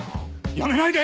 辞めないで！